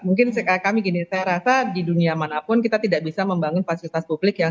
mungkin kami gini saya rasa di dunia manapun kita tidak bisa membangun fasilitas publik yang